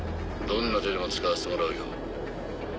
どんな手でも使わせてもらうよ。